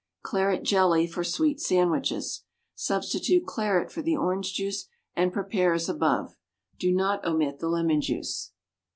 =Claret Jelly for Sweet Sandwiches.= Substitute claret for the orange juice and prepare as above. Do not omit the lemon juice.